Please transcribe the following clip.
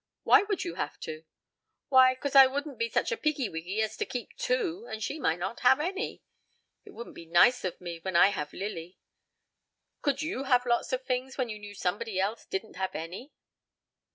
"Why would you have to?" "Why, 'cause I wouldn't be such a piggy wiggy as to keep two, and she not have any. It wouldn't be nice of me, when I have Lily. Could you have lots of fings when you knew somebody else didn't have any?"